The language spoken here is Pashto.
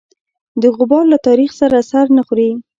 د غبار له تاریخ سره سر نه خوري.